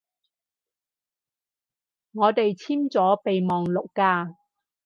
我哋簽咗備忘錄㗎